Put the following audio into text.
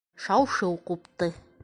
Шау-шыу ҡупты.